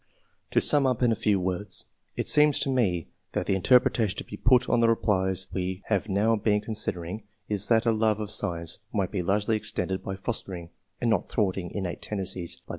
To sum up in a few words : it seems to me that the interpretation to be put on the replies we have now been considering, is that a love of science might be largely extended by fostering, and not thwarting, innate tendencies, by the Q 226 ENGLISH MEN OF SCIENCE. [chap.